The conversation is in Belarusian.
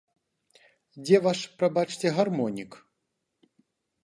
Дзе ваш, прабачце, гармонік?